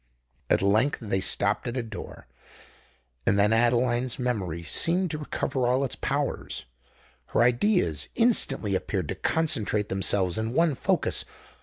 At length they stopped at a door: and then Adeline's memory seemed to recover all its powers—her ideas instantly appeared to concentrate themselves in one focus.